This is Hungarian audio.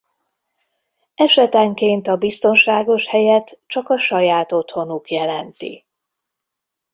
Esetenként a biztonságos helyet csak saját otthonuk jelenti.